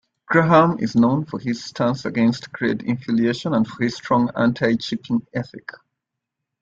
Graham is known for his stance against grade-inflation and for his strong anti-chipping ethic.